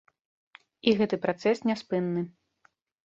І гэты працэс няспынны.